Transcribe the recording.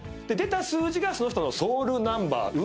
出た数字がその人のソウルナンバー。